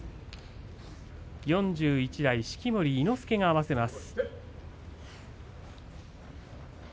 ４１代、式守伊之助が合わせます。